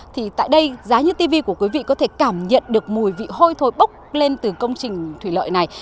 thì tại đây giá như tv của quý vị có thể cảm nhận được mùi vị hôi thối bốc lên từ công trình thủy lợi này